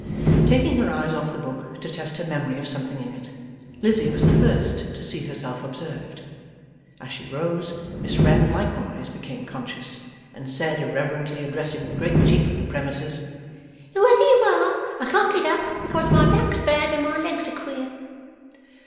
Taking her eyes off the book, to test her memory of something in it, Lizzie was the first to see herself observed. As she rose, Miss Wren likewise became conscious, and said, irreverently addressing the great chief of the premises: 'Whoever you are, I can't get up, because my back's bad and my legs are queer.